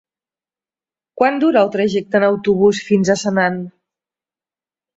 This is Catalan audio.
Quant dura el trajecte en autobús fins a Senan?